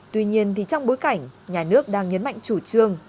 tuy nhiên thì trong bối cảnh nhà nước đang nhấn mạnh chủ trương